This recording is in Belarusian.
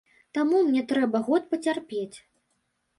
Таму мне трэба год пацярпець.